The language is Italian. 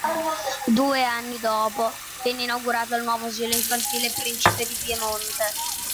Due anni dopo viene inaugurato il nuovo "Asilo infantile Principe di Piemonte".